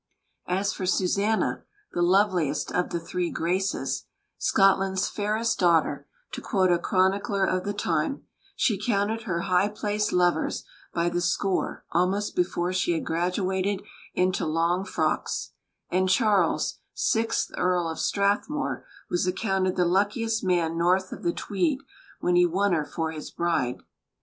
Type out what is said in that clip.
As for Susanna, the loveliest of the "three Graces" "Scotland's fairest daughter," to quote a chronicler of the time she counted her high placed lovers by the score almost before she had graduated into long frocks; and Charles, sixth Earl of Strathmore, was accounted the luckiest man north of the Tweed when he won her for his bride.